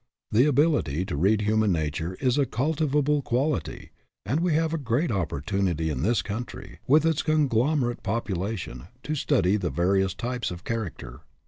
The ability to read human nature is a cultivable quality, and we have a great opportunity in this country, with its conglomerate population, to study the various types of character.